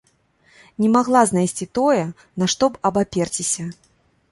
Не магла знайсці тое, на што б абаперціся.